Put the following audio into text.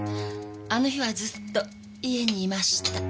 あの日はずっと家にいました。